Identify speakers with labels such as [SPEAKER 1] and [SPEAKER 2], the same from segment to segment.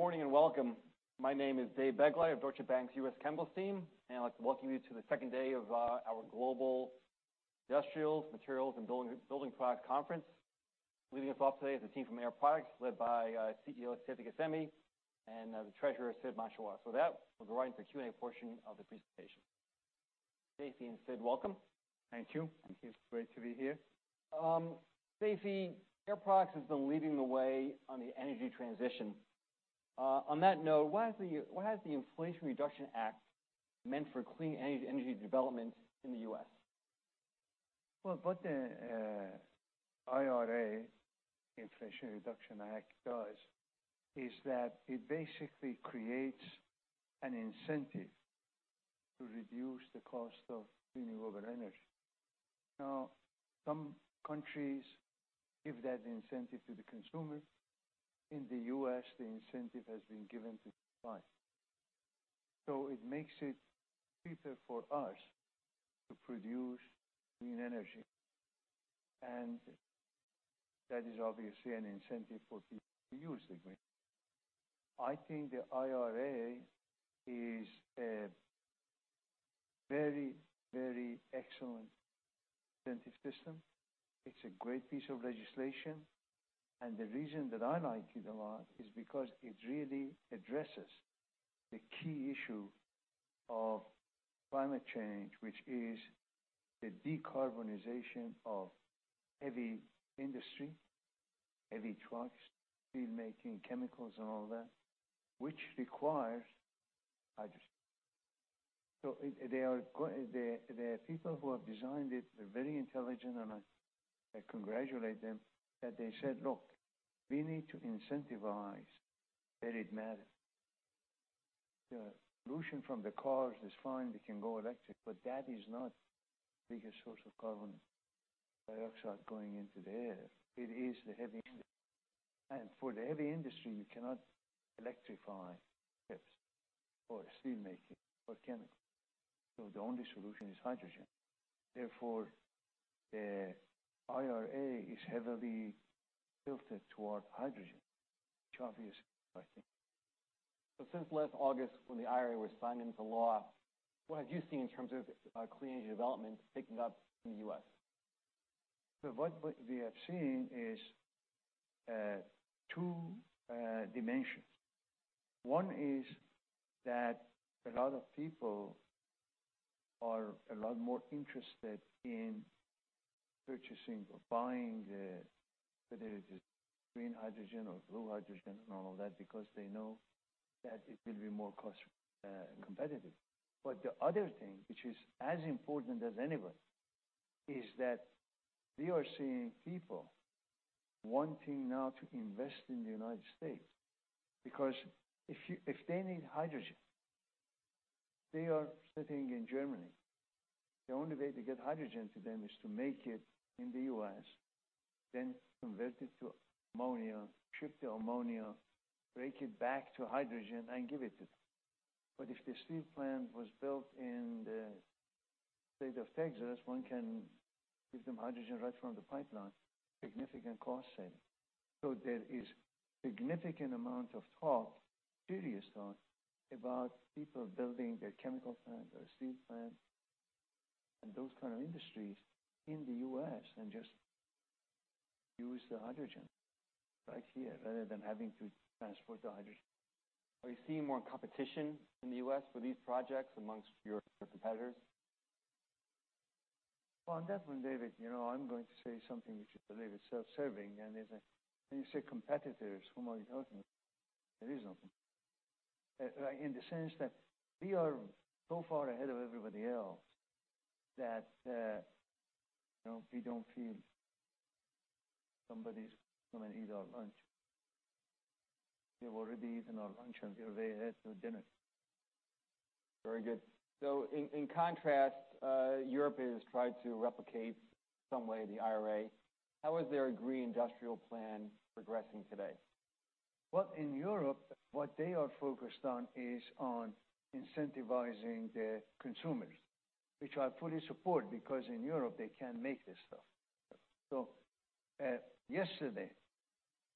[SPEAKER 1] Good morning, and welcome. My name is David Begleiter of Deutsche Bank's U.S. Chemical team, and I'd like to welcome you to the 2nd day of our Global Industrials, Materials, and Building Products Conference. Leading us off today is the team from Air Products, led by CEO, Seifi Ghasemi, and the Treasurer, Sidd Manjeshwar. With that, we'll go right into the Q&A portion of the presentation. Seifi and Sid, welcome.
[SPEAKER 2] Thank you.
[SPEAKER 3] Thank you.
[SPEAKER 2] It's great to be here.
[SPEAKER 1] Seifi, Air Products has been leading the way on the energy transition. On that note, what has the Inflation Reduction Act meant for clean energy development in the U.S.?
[SPEAKER 2] Well, what the IRA, Inflation Reduction Act, does is that it basically creates an incentive to reduce the cost of renewable energy. Now, some countries give that incentive to the consumer. In the U.S., the incentive has been given to supply. It makes it cheaper for us to produce clean energy, and that is obviously an incentive for people to use the green. I think the IRA is a very, very excellent incentive system. It's a great piece of legislation, and the reason that I like it a lot is because it really addresses the key issue of climate change, which is the decarbonization of heavy industry, heavy trucks, steelmaking, chemicals and all that, which requires hydrogen. It, they are the people who have designed it, they're very intelligent, and I congratulate them, that they said, "Look, we need to incentivize where it matters." The pollution from the cars is fine. We can go electric, but that is not the biggest source of carbon dioxide going into the air. It is the heavy industry. For the heavy industry, you cannot electrify ships or steelmaking or chemical. The only solution is hydrogen. Therefore, the IRA is heavily tilted towards hydrogen, which obviously, I think.
[SPEAKER 1] Since last August, when the IRA was signed into law, what have you seen in terms of clean energy development picking up in the U.S.?
[SPEAKER 2] What we have seen is two dimensions. One is that a lot of people are a lot more interested in purchasing or buying the, whether it is green hydrogen or blue hydrogen and all that, because they know that it will be more cost competitive. The other thing, which is as important as anybody, is that we are seeing people wanting now to invest in the United States. If they need hydrogen, they are sitting in Germany. The only way to get hydrogen to them is to make it in the U.S., then convert it to ammonia, ship the ammonia, break it back to hydrogen and give it to them. If the steel plant was built in the state of Texas, one can give them hydrogen right from the pipeline, significant cost saving. There is significant amount of talk, serious talk, about people building their chemical plant or steel plant and those kind of industries in the U.S., and just use the hydrogen right here, rather than having to transport the hydrogen.
[SPEAKER 1] Are you seeing more competition in the U.S. for these projects amongst your competitors?
[SPEAKER 2] Definitely, David, you know, I'm going to say something which I believe is self-serving, and is that when you say competitors, whom are you talking about? In the sense that we are so far ahead of everybody else that, you know, we don't feel somebody's coming to eat our lunch. They've already eaten our lunch, they're way ahead to dinner.
[SPEAKER 1] Very good. In contrast, Europe has tried to replicate some way the IRA. How is their Green Industrial Plan progressing today?
[SPEAKER 2] Well, in Europe, what they are focused on is on incentivizing the consumers, which I fully support, because in Europe, they can't make this stuff. Yesterday,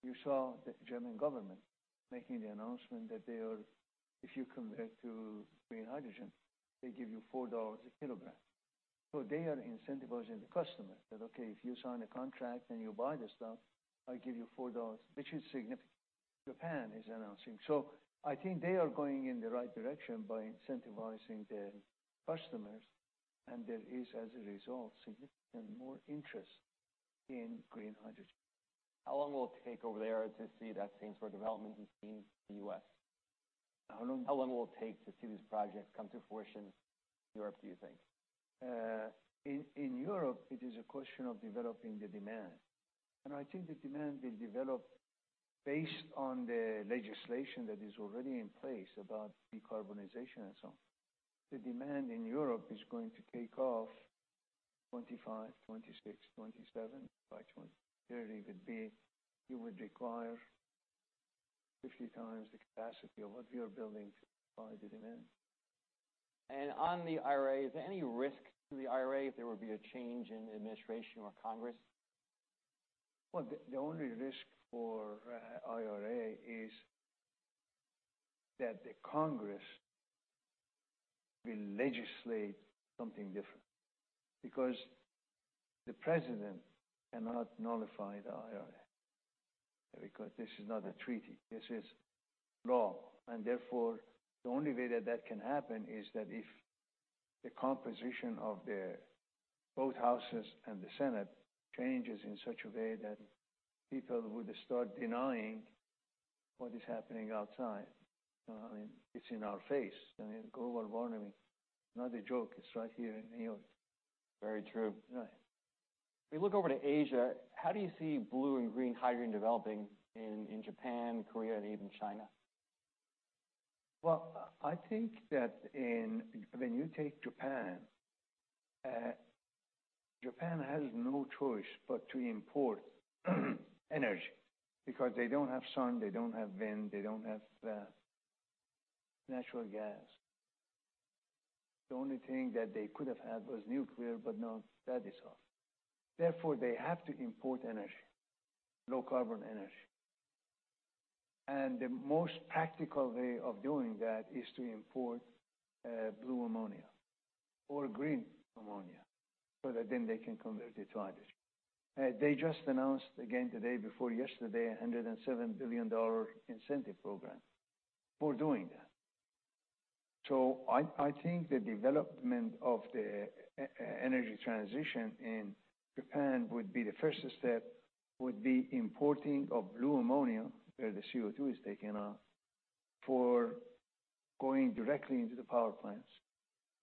[SPEAKER 2] you saw the German government making the announcement that if you convert to green hydrogen, they give you $4 a kilogram. They are incentivizing the customer, that, "Okay, if you sign a contract and you buy the stuff, I give you $4," which is significant. Japan is announcing. I think they are going in the right direction by incentivizing the customers, and there is, as a result, significantly more interest in green hydrogen.
[SPEAKER 1] How long will it take over there to see that same sort of development we've seen in the U.S.?
[SPEAKER 2] I don't know.
[SPEAKER 1] How long will it take to see these projects come to fruition in Europe, do you think?
[SPEAKER 2] In Europe, it is a question of developing the demand, and I think the demand will develop based on the legislation that is already in place about decarbonization and so on. The demand in Europe is going to take off 25, 26, 27. By 2030, it would require 50 times the capacity of what we are building to supply the demand.
[SPEAKER 1] On the IRA, is there any risk to the IRA if there would be a change in the Administration or Congress?
[SPEAKER 2] Well, the only risk for IRA is that the Congress will legislate something different, because the President cannot nullify the IRA, because this is not a treaty, this is law. Therefore, the only way that that can happen is that if the composition of the both houses and the Senate changes in such a way that people would start denying what is happening outside. I mean, it's in our face, I mean, global warming, not a joke. It's right here in New York.
[SPEAKER 1] Very true.
[SPEAKER 2] Right.
[SPEAKER 1] We look over to Asia, how do you see blue and green hydrogen developing in Japan, Korea, and even China?
[SPEAKER 2] Well, I think that in, when you take Japan has no choice but to import energy, because they don't have sun, they don't have wind, they don't have natural gas. The only thing that they could have had was nuclear, but now that is off. Therefore, they have to import energy, low carbon energy. The most practical way of doing that is to import blue ammonia or green ammonia, so that then they can convert it to hydrogen. They just announced again, the day before yesterday, a $107 billion incentive program for doing that. I think the development of the energy transition in Japan would be the first step, would be importing of blue ammonia, where the CO2 is taken out, for going directly into the power plants,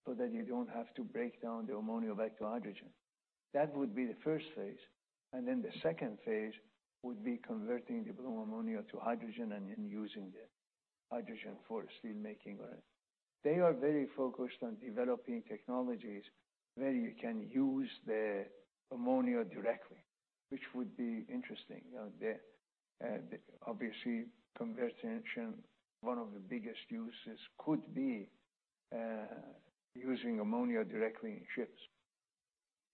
[SPEAKER 2] so that you don't have to break down the ammonia back to hydrogen. That would be the first phase, and then the second phase would be converting the blue ammonia to hydrogen and then using the hydrogen for steelmaking. They are very focused on developing technologies where you can use the ammonia directly, which would be interesting. You know, the obviously, conversion, one of the biggest uses could be using ammonia directly in ships,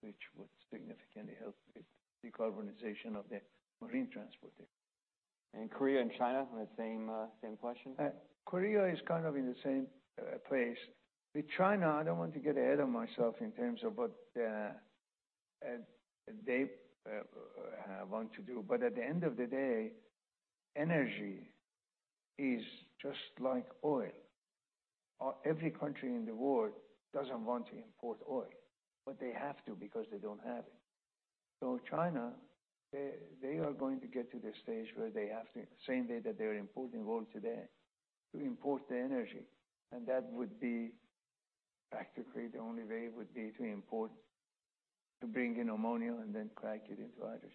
[SPEAKER 2] which would significantly help with the decarbonization of the marine transport.
[SPEAKER 1] Korea and China, the same question.
[SPEAKER 2] Korea is kind of in the same place. With China, I don't want to get ahead of myself in terms of what they want to do. At the end of the day, energy is just like oil. Every country in the world doesn't want to import oil, but they have to because they don't have it. China, they are going to get to the stage where they have to, same way that they are importing oil today, to import their energy. Practically, the only way would be to import, to bring in ammonia and then crack it into hydrogen.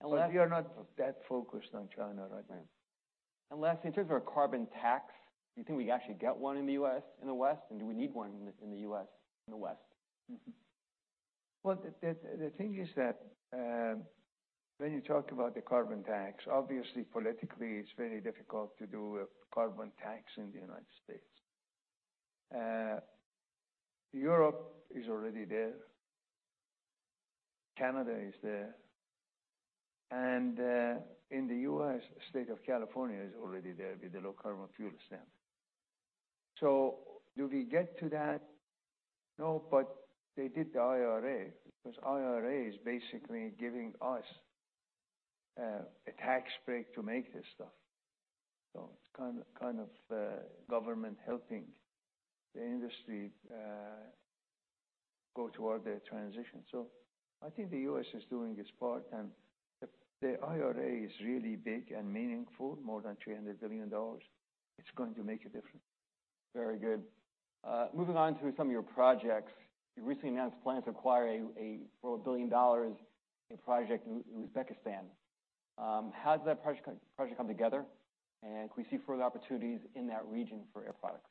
[SPEAKER 1] And last-
[SPEAKER 2] We are not that focused on China right now.
[SPEAKER 1] Last, in terms of a carbon tax, do you think we actually get one in the U.S., in the West? Do we need one in the, in the U.S., in the West?
[SPEAKER 2] Well, the thing is that when you talk about the carbon tax, obviously politically it's very difficult to do a carbon tax in the United States. Europe is already there, Canada is there, and in the U.S., state of California is already there with the Low Carbon Fuel Standard. Do we get to that? No, but they did the IRA, because IRA is basically giving us a tax break to make this stuff. It's kind of government helping the industry go toward the transition. I think the U.S. is doing its part, and the IRA is really big and meaningful, more than $300 billion. It's going to make a difference.
[SPEAKER 1] Very good. Moving on to some of your projects. You recently announced plans to acquire a, for $1 billion, a project in Uzbekistan. How did that project come together, and can we see further opportunities in that region for Air Products?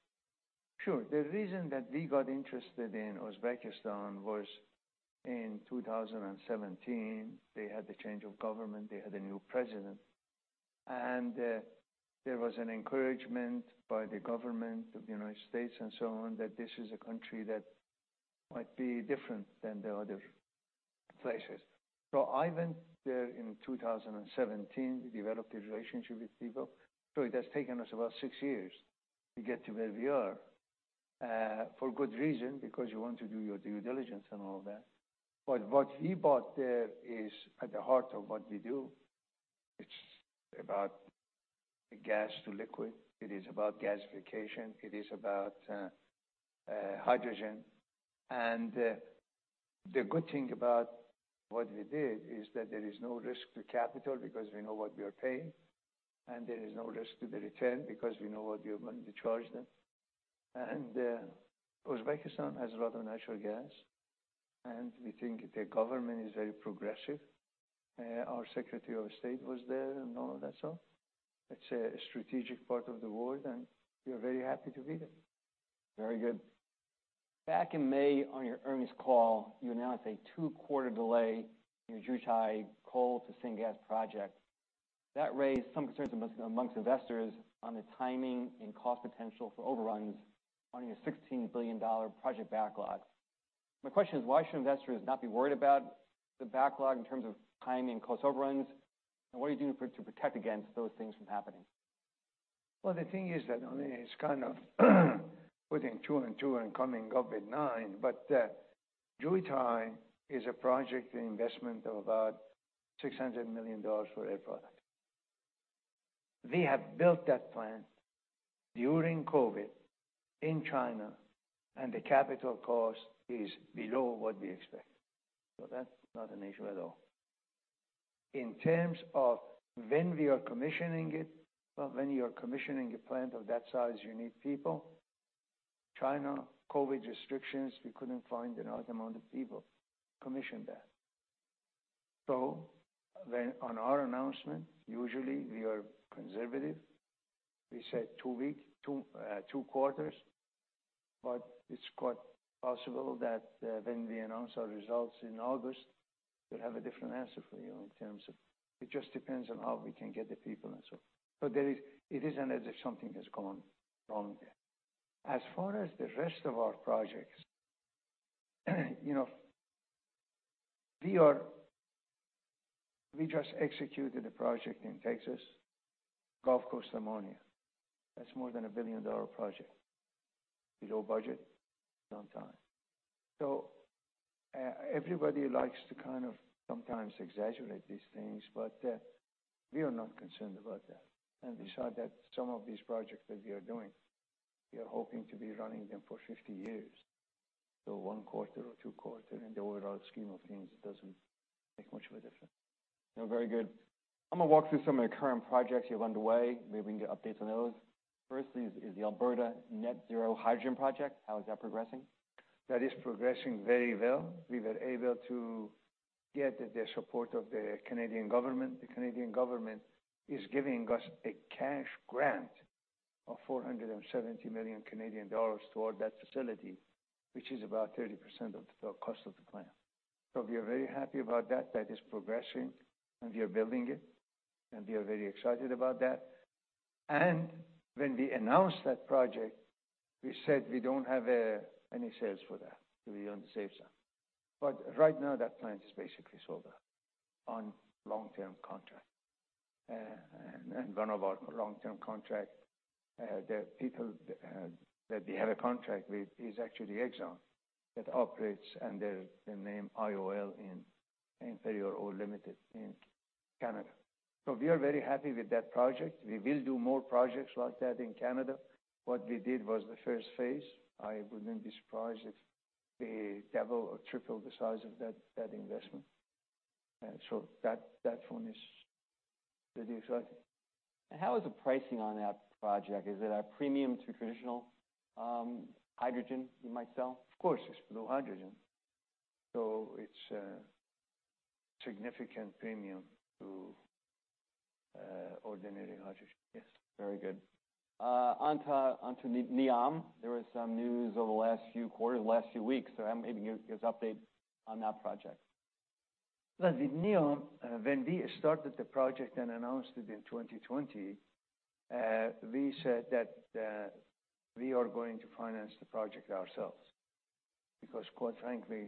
[SPEAKER 2] Sure. The reason that we got interested in Uzbekistan was in 2017, they had a change of government. They had a new president, there was an encouragement by the government of the United States and so on, that this is a country that might be different than the other places. I went there in 2017 to develop a relationship with people. It has taken us about six years to get to where we are for good reason, because you want to do your due diligence and all that. What we bought there is at the heart of what we do. It's about gas to liquid, it is about gasification, it is about hydrogen. The good thing about what we did is that there is no risk to capital because we know what we are paying, and there is no risk to the return because we know what we are going to charge them. Uzbekistan has a lot of natural gas, and we think the government is very progressive. Our Secretary of State was there and all of that, it's a strategic part of the world, and we are very happy to be there.
[SPEAKER 1] Very good. Back in May, on your earnings call, you announced a two-quarter delay in your Jiutai coal to syngas project. That raised some concerns amongst investors on the timing and cost potential for overruns on your $16 billion project backlog. My question is, why should investors not be worried about the backlog in terms of timing and cost overruns, and what are you doing to protect against those things from happening?
[SPEAKER 2] Well, the thing is that only it's kind of putting two and two and coming up with nine. Jiutai is a project, an investment of about $600 million for Air Products. We have built that plant during COVID in China, the capital cost is below what we expected. That's not an issue at all. In terms of when we are commissioning it, well, when you are commissioning a plant of that size, you need people. China, COVID restrictions, we couldn't find enough amount of people, commission that. On our announcement, usually we are conservative. We said two weeks, two quarters, it's quite possible that when we announce our results in August, we'll have a different answer for you in terms of. It just depends on how we can get the people and so forth. It isn't as if something has gone wrong there. As far as the rest of our projects, you know, we just executed a project in Texas, Gulf Coast Ammonia. That's more than a billion-dollar project. We go budget on time. Everybody likes to kind of sometimes exaggerate these things, but we are not concerned about that. We saw that some of these projects that we are doing, we are hoping to be running them for 50 years. One quarter or two quarter, in the overall scheme of things, doesn't make much of a difference.
[SPEAKER 1] Very good. I'm gonna walk through some of the current projects you have underway. Maybe you can update on those. First is the Alberta Net-Zero Hydrogen Project. How is that progressing?
[SPEAKER 2] That is progressing very well. We were able to get the support of the Canadian government. The Canadian government is giving us a cash grant of 470 million Canadian dollars toward that facility, which is about 30% of the cost of the plant. We are very happy about that. That is progressing, and we are building it, and we are very excited about that. When we announced that project, we said we don't have any sales for that. We'll be on the safe side. Right now, that plant is basically sold out on long-term contract, and one of our long-term contract, the people that we have a contract with is actually Exxon. It operates under the name IOL, Imperial Oil Limited in Canada. We are very happy with that project. We will do more projects like that in Canada. What we did was the first phase. I wouldn't be surprised if we double or triple the size of that investment. That one is very exciting.
[SPEAKER 1] How is the pricing on that project? Is it a premium to traditional hydrogen you might sell?
[SPEAKER 2] Of course, it's blue hydrogen. It's a significant premium to ordinary hydrogen.
[SPEAKER 1] Yes, very good. Onto NEOM, there was some news over the last few quarters, last few weeks, so I'm maybe give us update on that project.
[SPEAKER 2] With NEOM, when we started the project and announced it in 2020, we said that we are going to finance the project ourselves, because, quite frankly,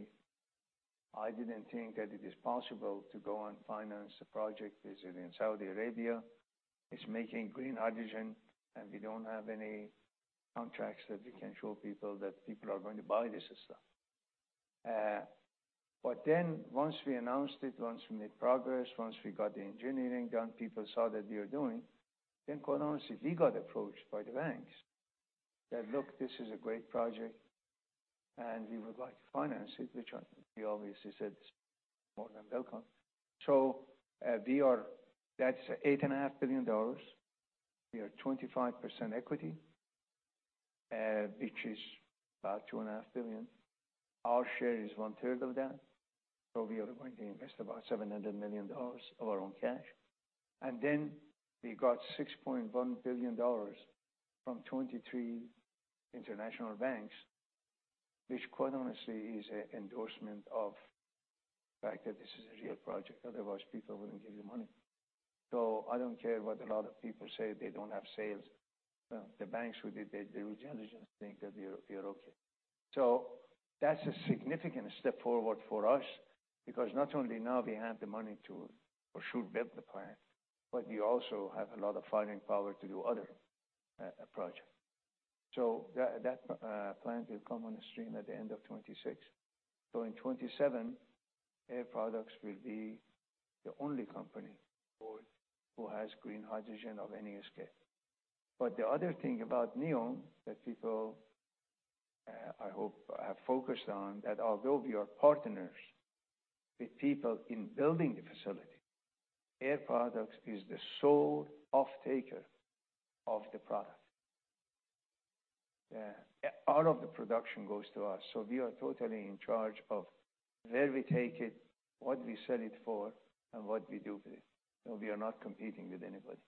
[SPEAKER 2] I didn't think that it is possible to go and finance a project, it's in Saudi Arabia. It's making green hydrogen, and we don't have any contracts that we can show people, that people are going to buy this stuff. Once we announced it, once we made progress, once we got the engineering done, people saw that we are doing, then quite honestly, we got approached by the banks. That, look, this is a great project, and we would like to finance it, which we obviously said, more than welcome. That's $8.5 billion. We are 25% equity, which is about $2.5 billion. Our share is 1/3 of that, so we are going to invest about $700 million of our own cash. We got $6.1 billion from 23 international banks, which, quite honestly, is an endorsement of the fact that this is a real project. Otherwise, people wouldn't give you money. I don't care what a lot of people say, they don't have sales. Well, the banks would, they would generally just think that we are okay. That's a significant step forward for us, because not only now we have the money to, or should build the plant, but we also have a lot of firing power to do other projects. That plan will come on the stream at the end of 2026. In 2027, Air Products will be the only company who has green hydrogen of any scale. The other thing about NEOM, that people, I hope have focused on, that although we are partners with people in building the facility, Air Products is the sole off-taker of the product. All of the production goes to us, we are totally in charge of where we take it, what we sell it for, and what we do with it. We are not competing with anybody.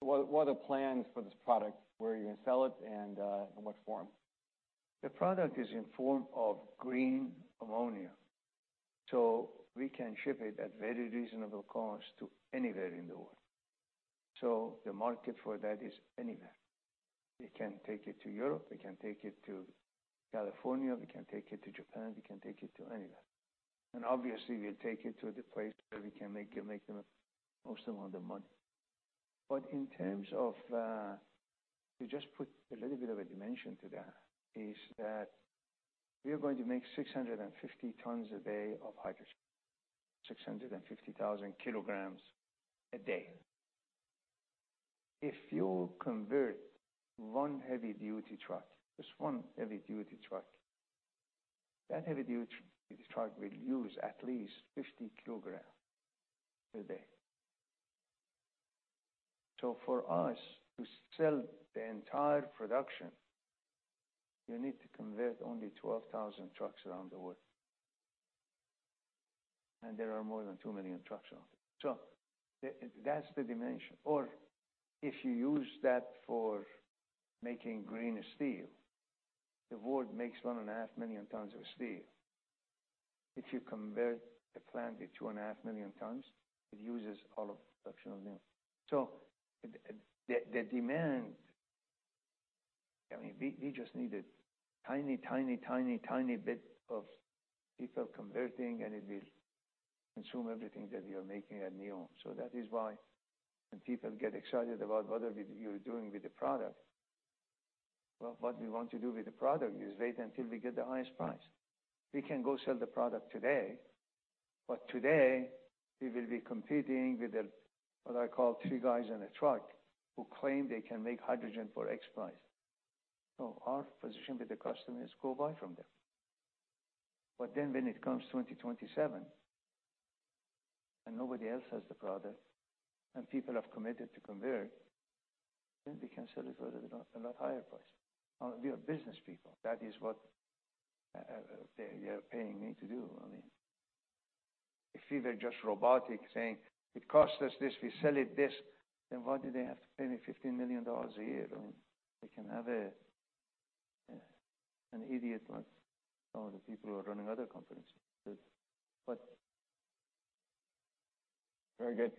[SPEAKER 1] What are the plans for this product, where are you going to sell it, and in what form?
[SPEAKER 2] The product is in form of green ammonia, we can ship it at very reasonable cost to anywhere in the world. The market for that is anywhere. We can take it to Europe, we can take it to California, we can take it to Japan, we can take it to anywhere. Obviously, we take it to the place where we can make the most amount of money. In terms of, we just put a little bit of a dimension to that, is that we are going to make 650 tons a day of hydrogen, 650,000 kg a day. If you convert one heavy-duty truck, just one heavy-duty truck, that heavy-duty truck will use at least 50 kg a day. For us to sell the entire production, you need to convert only 12,000 trucks around the world, and there are more than 2 million trucks. That's the dimension. Or if you use that for making green steel, the world makes 1.5 million tons of steel. If you convert a plant to 2.5 million tons, it uses all of production. The demand, I mean, we just need a tiny, tiny bit of people converting, and it will consume everything that we are making at NEOM. That is why when people get excited about what are we doing with the product. Well, what we want to do with the product is wait until we get the highest price. We can go sell the product today. Today we will be competing with the, what I call, three guys in a truck, who claim they can make hydrogen for X price. Our position with the customer is, go buy from them. When it comes 2027, and nobody else has the product, and people have committed to convert, then we can sell it for a lot, a lot higher price. We are business people. That is what they are paying me to do. I mean, if we were just robotic, saying, "It costs us this, we sell it this," then why do they have to pay me $15 million a year? I mean, they can have an idiot like some of the people who are running other companies.
[SPEAKER 1] Very good.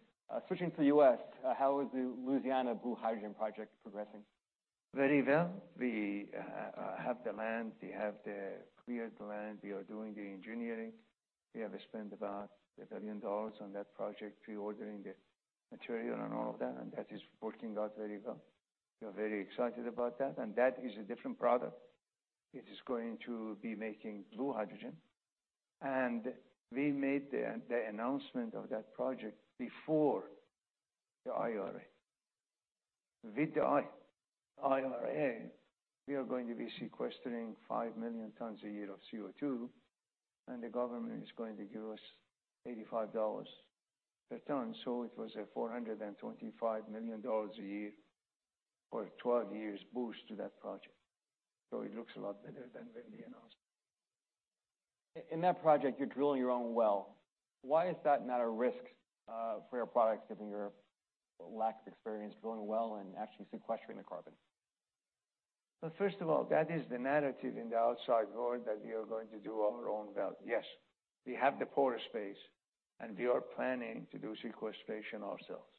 [SPEAKER 1] Switching to U.S., how is the Louisiana blue hydrogen project progressing?
[SPEAKER 2] Very well. We have the land. We have the cleared land. We are doing the engineering. We have spent about $1 billion on that project, pre-ordering the material and all of that, and that is working out very well. We are very excited about that, and that is a different product. It is going to be making blue hydrogen, and we made the announcement of that project before the IRA. With the IRA, we are going to be sequestering 5 million tons a year of CO2, and the government is going to give us $85 per ton. It was a $425 million a year for 12 years boost to that project. It looks a lot better than when we announced.
[SPEAKER 1] In that project, you're drilling your own well. Why is that not a risk, for Air Products, given your lack of experience drilling well and actually sequestering the carbon?
[SPEAKER 2] First of all, that is the narrative in the outside world, that we are going to do our own well. Yes, we have the pore space, and we are planning to do sequestration ourselves.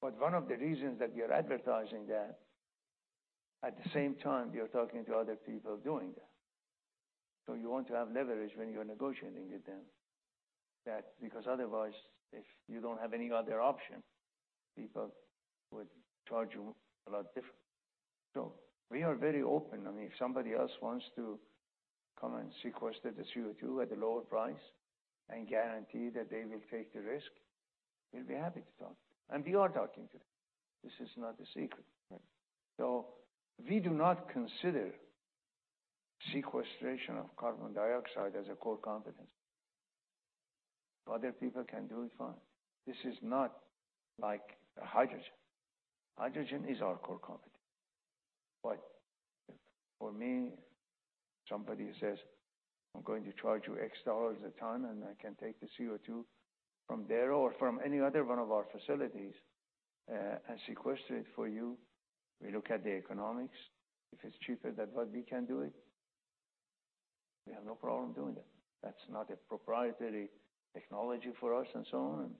[SPEAKER 2] One of the reasons that we are advertising that, at the same time, we are talking to other people doing that. You want to have leverage when you are negotiating with them, that because otherwise, if you don't have any other option, people would charge you a lot different. We are very open, and if somebody else wants to come and sequester the CO2 at a lower price and guarantee that they will take the risk, we'll be happy to talk, and we are talking to them. This is not a secret. We do not consider sequestration of carbon dioxide as a core competence. Other people can do it fine. This is not like hydrogen. Hydrogen is our core competence. For me, somebody says, "I'm going to charge you $X a ton, and I can take the CO2 from there or from any other one of our facilities, and sequester it for you." We look at the economics. If it's cheaper than what we can do it, we have no problem doing it. That's not a proprietary technology for us and so on,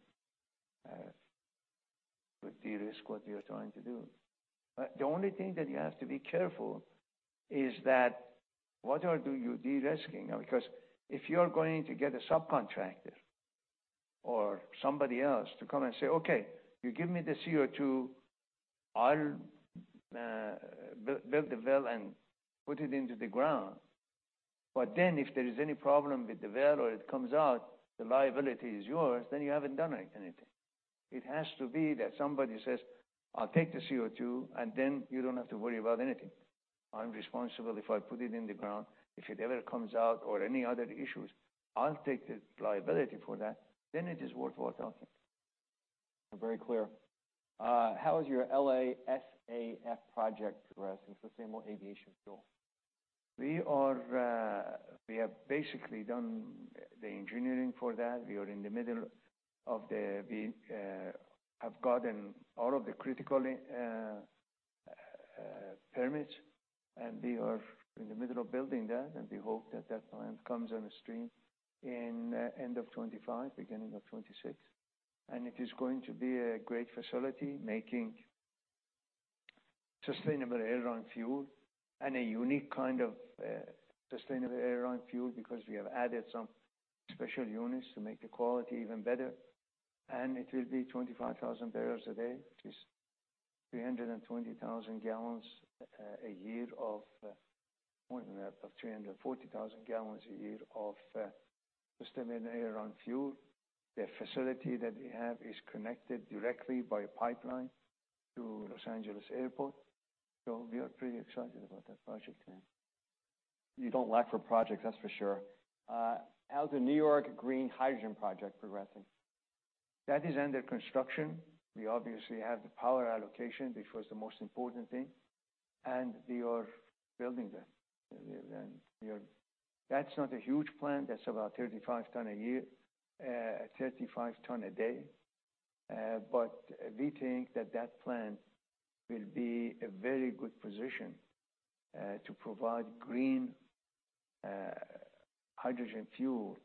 [SPEAKER 2] with de-risk what we are trying to do. The only thing that you have to be careful is that what are, do you de-risking? If you are going to get a subcontractor or somebody else to come and say, "Okay, you give me the CO2, I'll build the well and put it into the ground." If there is any problem with the well, or it comes out, the liability is yours, then you haven't done anything. It has to be that somebody says, "I'll take the CO2, and then you don't have to worry about anything. I'm responsible if I put it in the ground. If it ever comes out or any other issues, I'll take the liability for that." It is worthwhile, I think.
[SPEAKER 1] Very clear. How is your L.A. SAF project progressing, sustainable aviation fuel?
[SPEAKER 2] We have basically done the engineering for that. We have gotten all of the critical permits. We are in the middle of building that. We hope that that plant comes on the stream in end of 2025, beginning of 2026. It is going to be a great facility, making sustainable airline fuel and a unique kind of sustainable airline fuel because we have added some special units to make the quality even better. It will be 25,000 bbl a day, which is 320,000 gal a year of, more than that, of 340,000 gal a year of sustainable airline fuel. The facility that we have is connected directly by pipeline to Los Angeles Airport. We are pretty excited about that project there.
[SPEAKER 1] You don't lack for projects, that's for sure. How's the New York Green Hydrogen project progressing?
[SPEAKER 2] That is under construction. We obviously have the power allocation, which was the most important thing, and we are building that. That's not a huge plant. That's about 35 ton a year, 35 ton a day. We think that plant will be a very good position to provide green hydrogen fuel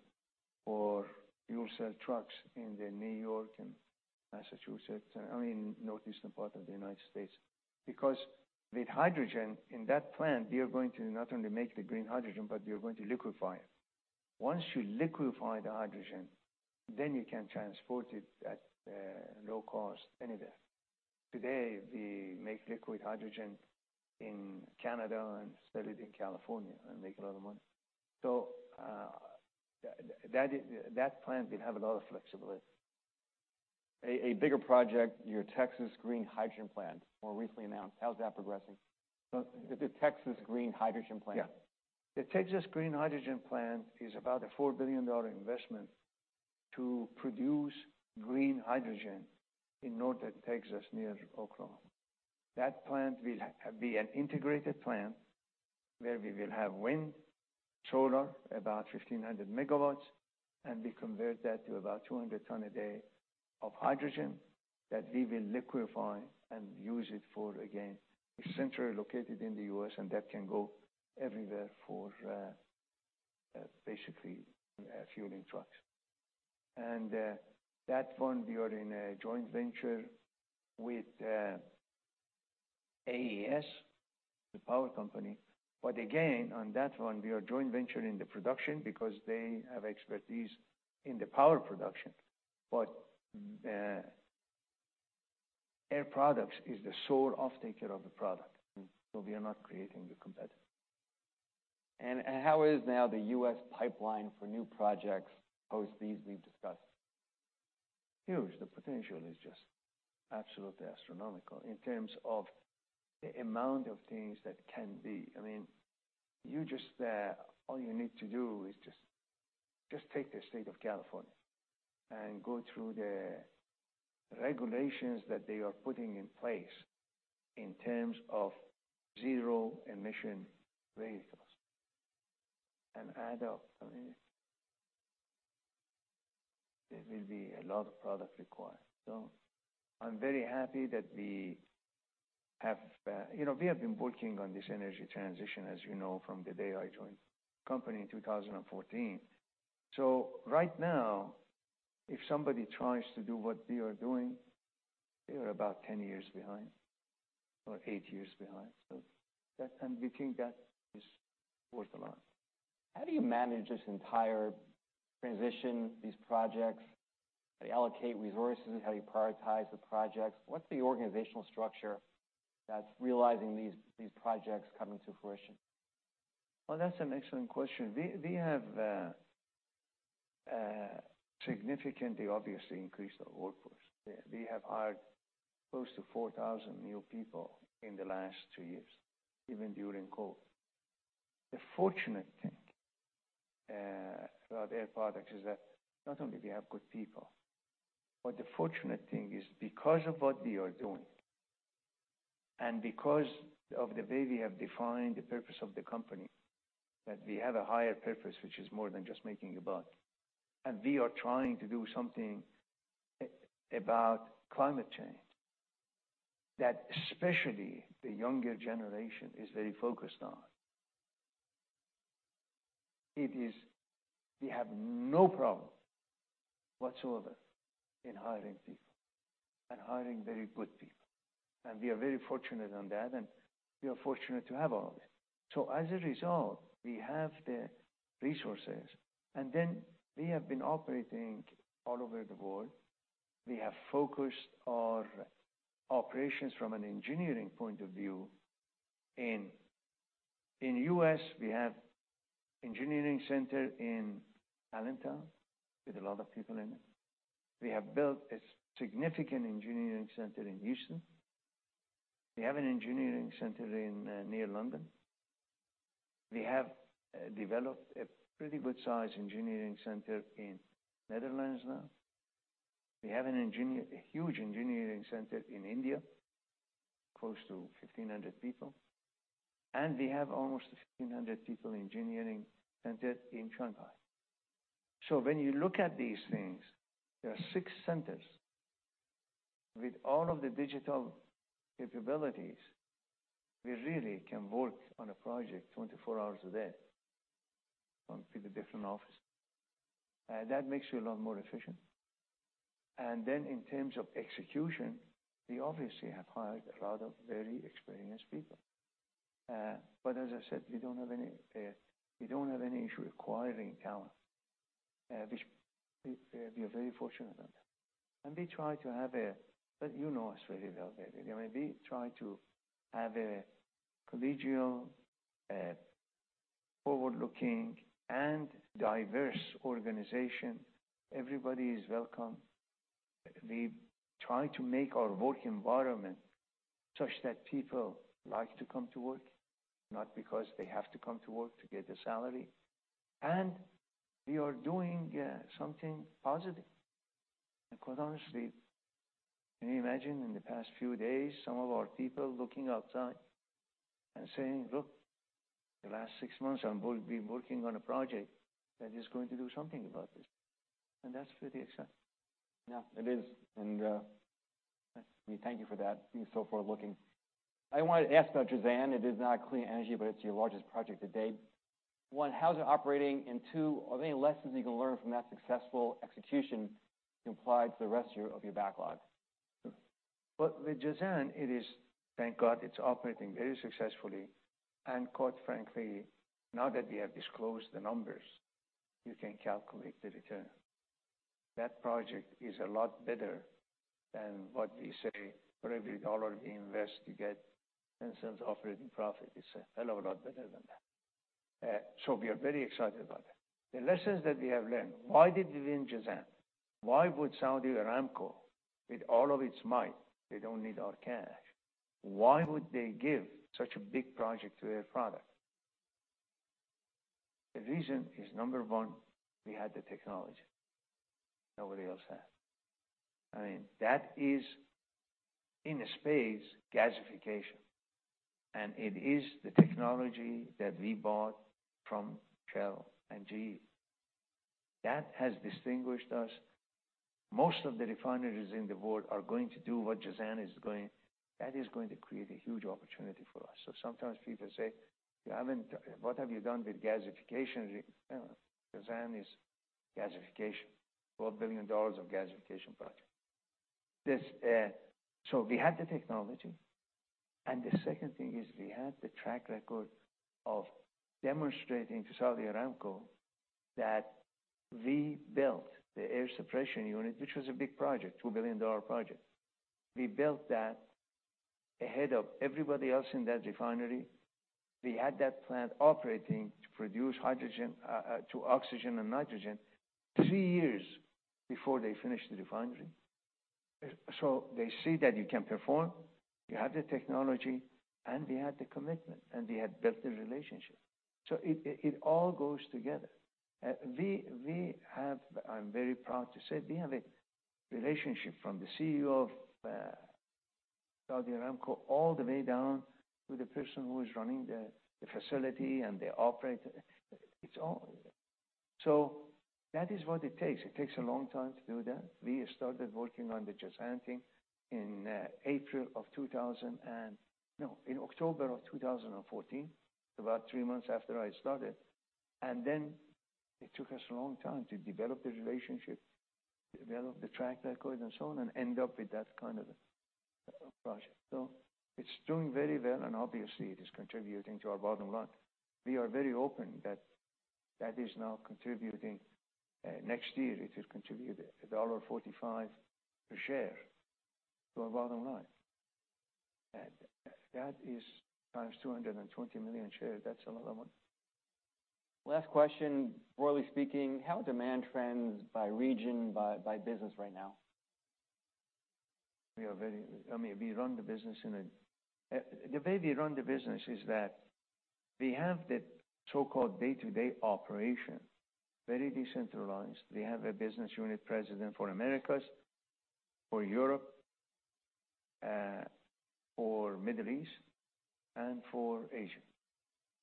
[SPEAKER 2] for fuel cell trucks in the New York and Massachusetts, and, I mean, northeastern part of the United States. With hydrogen in that plant, we are going to not only make the green hydrogen, but we are going to liquefy it. Once you liquefy the hydrogen, you can transport it at low cost anywhere. Today, we make liquid hydrogen in Canada and sell it in California and make a lot of money. That plant will have a lot of flexibility.
[SPEAKER 1] A bigger project, your Texas Green Hydrogen plant, more recently announced. How's that progressing?
[SPEAKER 2] The Texas Green Hydrogen plant?
[SPEAKER 1] Yeah.
[SPEAKER 2] The Texas Green Hydrogen plant is about a $4 billion investment to produce green hydrogen in northern Texas, near Oklahoma. That plant will be an integrated plant, where we will have wind, solar, about 1,500 MW, and we convert that to about 200 ton a day of hydrogen, that we will liquefy and use it for, again, it's centrally located in the U.S., and that can go everywhere for, basically, fueling trucks. That one, we are in a joint venture with AES, the power company. Again, on that one, we are joint venturing the production because they have expertise in the power production. Air Products is the sole off-taker of the product, so we are not creating the competitor.
[SPEAKER 1] How is now the U.S. pipeline for new projects, post these we've discussed?
[SPEAKER 2] Huge. The potential is just absolutely astronomical in terms of the amount of things that can be. I mean, you just, all you need to do is just take the state of California and go through the regulations that they are putting in place in terms of zero-emission vehicles. I mean, there will be a lot of product required. I'm very happy that we have. You know, we have been working on this energy transition, as you know, from the day I joined the company in 2014. Right now, if somebody tries to do what we are doing, they are about 10 years behind or eight years behind. That, and we think that is worth a lot.
[SPEAKER 1] How do you manage this entire transition, these projects? How do you allocate resources? How do you prioritize the projects? What's the organizational structure that's realizing these projects coming to fruition?
[SPEAKER 2] Well, that's an excellent question. We have, significantly, obviously, increased our workforce. We have hired close to 4,000 new people in the last two years, even during COVID. The fortunate thing about Air Products is that not only do we have good people, but the fortunate thing is because of what we are doing and because of the way we have defined the purpose of the company, that we have a higher purpose, which is more than just making a buck, and we are trying to do something about climate change, that especially the younger generation is very focused on. It is. We have no problem whatsoever in hiring people and hiring very good people, and we are very fortunate on that, and we are fortunate to have all this. As a result, we have the resources, and then we have been operating all over the world. We have focused our operations from an engineering point of view. In U.S., we have engineering center in Allentown, with a lot of people in it. We have built a significant engineering center in Houston. We have an engineering center near London. We have developed a pretty good-sized engineering center in Netherlands now. We have a huge engineering center in India, close to 1,500 people, and we have almost 1,500 people engineering center in Shanghai. When you look at these things, there are six centers. With all of the digital capabilities, we really can work on a project 24 hours a day, from the different offices, and that makes you a lot more efficient. In terms of execution, we obviously have hired a lot of very experienced people. But as I said, we don't have any issue acquiring talent, which we are very fortunate about. You know us very well, David. I mean, we try to have a collegial, forward-looking, and diverse organization. Everybody is welcome. We try to make our work environment such that people like to come to work, not because they have to come to work to get a salary, and we are doing something positive. Because, honestly, can you imagine in the past few days, some of our people looking outside and saying, "Look, the last six months, I'm going to be working on a project that is going to do something about this." That's pretty exciting.
[SPEAKER 1] Yeah, it is, and, we thank you for that. Being so forward-looking. I want to ask about Jazan. It is not clean energy, but it's your largest project to date. One, how is it operating? Two, are there any lessons you can learn from that successful execution, applied to the rest of your backlog?
[SPEAKER 2] With Jazan, it is, thank God, it's operating very successfully. Quite frankly, now that we have disclosed the numbers, you can calculate the return. That project is a lot better than what we say. For every dollar we invest, you get $0.10 operating profit. It's a hell of a lot better than that. We are very excited about it. The lessons that we have learned, why did we win Jazan? Why would Saudi Aramco, with all of its might, they don't need our cash. Why would they give such a big project to a partner? The reason is, number one, we had the technology. Nobody else has. I mean, that is in a space, gasification, and it is the technology that we bought from Shell and GE. That has distinguished us. Most of the refineries in the world are going to do what Jazan is doing. That is going to create a huge opportunity for us. Sometimes people say, "What have you done with gasification?" Jazan is gasification, $12 billion of gasification project. We had the technology, and the second thing is we had the track record of demonstrating to Saudi Aramco that we built the air separation unit, which was a big project, $2 billion project. We built that ahead of everybody else in that refinery. We had that plant operating to produce hydrogen, to oxygen and nitrogen, three years before they finished the refinery. They see that you can perform, you have the technology, and we had the commitment, and we had built a relationship. It all goes together. We have, I'm very proud to say, we have a relationship from the CEO of Saudi Aramco, all the way down to the person who is running the facility and the operator. That is what it takes. It takes a long time to do that. We started working on the Jazan thing in October of 2014, about three months after I started. It took us a long time to develop the relationship, develop the track record, and so on, and end up with that kind of a project. It's doing very well, and obviously, it is contributing to our bottom line. We are very open that is now contributing next year, it will contribute $1.45 per share to our bottom line. That is times 220 million shares. That's another one.
[SPEAKER 1] Last question. Broadly speaking, how demand trends by region, by business right now?
[SPEAKER 2] I mean, we run the business. The way we run the business is that we have the so-called day-to-day operation, very decentralized. We have a business unit president for Americas, for Europe, for Middle East, and for Asia.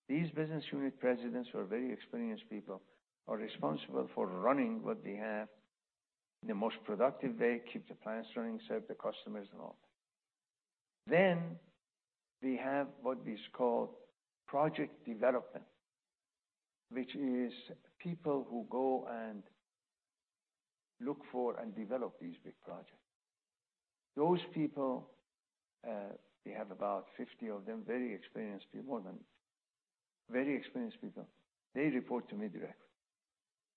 [SPEAKER 2] These business unit presidents, who are very experienced people, are responsible for running what they have in the most productive way, keep the plants running, serve the customers, and all. We have what is called project development, which is people who go and look for and develop these big projects. Those people, we have about 50 of them, very experienced people. They report to me directly,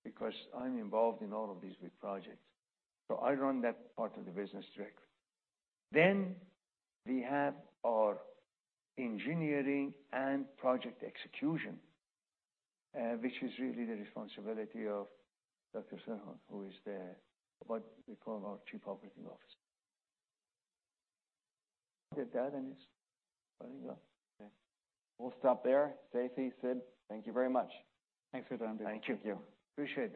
[SPEAKER 2] because I'm involved in all of these big projects. I run that part of the business directly. We have our engineering and project execution, which is really the responsibility of Dr. Serhan, who is the, what we call our Chief Operating Officer. Get that. It's very well, yeah.
[SPEAKER 1] We'll stop there. Seifi, Sid, thank you very much.
[SPEAKER 2] Thanks for having me.
[SPEAKER 3] Thank you.
[SPEAKER 2] Appreciate it.